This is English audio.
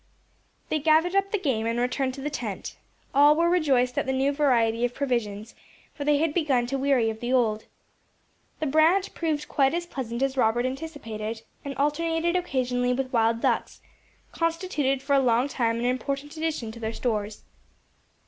They gathered up the game, and returned to the tent. All were rejoiced at the new variety of provisions, for they had begun to weary of the old. The brant proved quite as pleasant as Robert anticipated, and alternated occasionally with wild ducks, constituted for a long time an important addition to their stores.